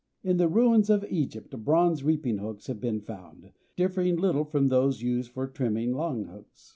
In the ruins of Egypt bronze reaping hooks have been found, differing little from those now used for trimming lawn hooks.